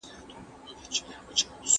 ادبي پوهه د انسان فکر او شعور لوړوي.